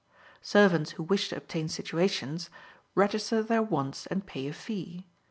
Servants who wish to obtain situations register their wants and pay a fee.